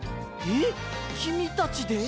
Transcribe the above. えっきみたちで？